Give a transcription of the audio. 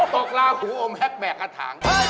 ตกลาหูอมแฮคแบงคัทหาง